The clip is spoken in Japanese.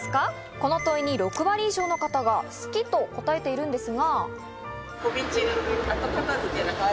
この問いに６割以上の方が好きと答えているんですが。